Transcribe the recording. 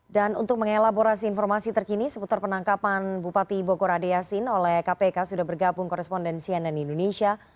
dan untuk mengelaborasi informasi terkini seputar penangkapan bupati bogor adeyasin oleh kpk sudah bergabung korespondensi ann indonesia